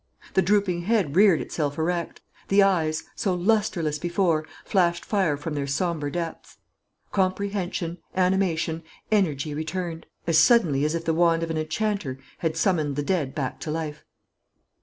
The drooping head reared itself erect. The eyes, so lustreless before, flashed fire from their sombre depths. Comprehension, animation, energy returned; as suddenly as if the wand of an enchanter had summoned the dead back to life.